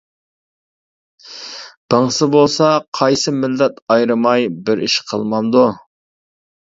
بىڭسى بولسا قايسى مىللەت ئايرىماي بىر ئىش قىلمامدۇ.